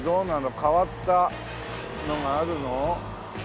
変わったのがあるの？